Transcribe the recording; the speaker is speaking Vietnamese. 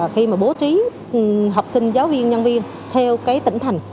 khi mà bố trí học sinh giáo viên nhân viên theo cái tỉnh thành